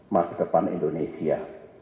masa depan indonesia